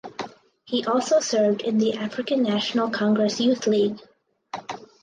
He also served in the African National Congress Youth League.